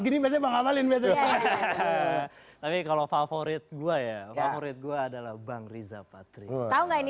gini masih mengawalin tapi kalau favorit gua ya gue adalah bang riza patria tahu nggak ini